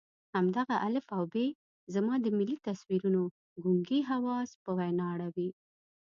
همدغه الف او ب زما د ملي تصویرونو ګونګي حواس په وینا اړوي.